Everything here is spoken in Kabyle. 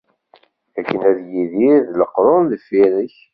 Akken ad yidir d leqrun deffir-k.